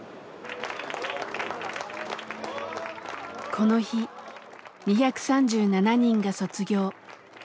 この日２３７人が卒業。